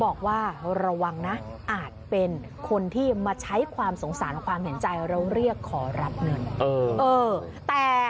บอกว่าระวังนะอาจเป็นคนที่มาใช้ความสงสารความเห็นใจแล้วเรียกขอรับเงิน